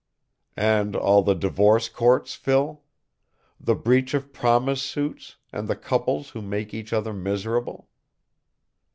"And all the divorce courts, Phil? The breach of promise suits, and the couples who make each other miserable?"